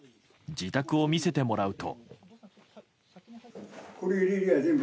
自宅を見せてもらうと。